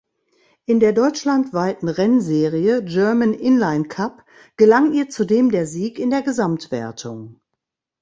In der deutschlandweiten Rennserie German-Inline-Cup gelang ihr zudem der Sieg in der Gesamtwertung.